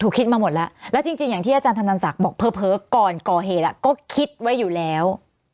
คิดมาหมดแล้วแล้วจริงอย่างที่อาจารย์ธนันศักดิ์บอกเผลอก่อนก่อเหตุก็คิดไว้อยู่แล้ว